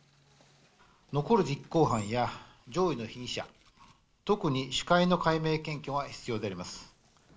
残る実行犯や上位の被疑者、特に首魁の解明・検挙が必要であります。